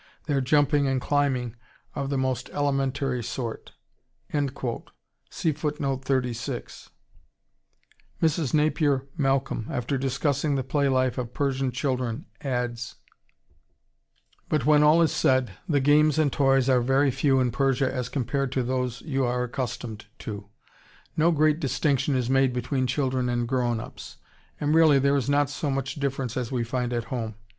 Their jumping and climbing are of the most elementary sort." Mrs. Napier Malcolm after discussing the play life of Persian children adds: "But when all is said, the games and toys are very few in Persia as compared to those you are accustomed to. No great distinction is made between children and grown ups, and really there is not so much difference as we find at home.